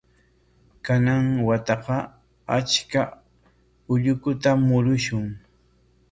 Kanan wataqa achka ullukutam murushun.